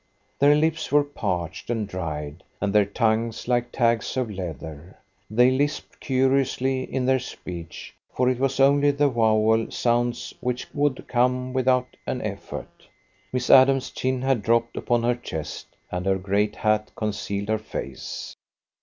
Their lips were parched and dried, and their tongues like tags of leather. They lisped curiously in their speech, for it was only the vowel sounds which would come without an effort. Miss Adams's chin had dropped upon her chest, and her great hat concealed her face.